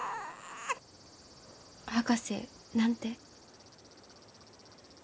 博士何て？